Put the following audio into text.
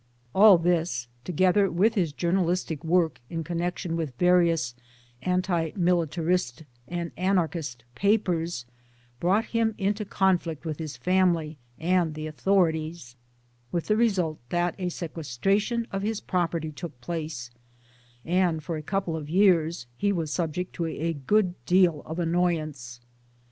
All this, together with his journalistic work in connection with various anti militarist and Anarchist papers brought him into conflict with his family and the authorities, with the result that a sequestration of his property took place, and for a couple of years he was subject to a good deal of annoyance.